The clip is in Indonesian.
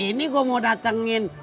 ini gue mau datengin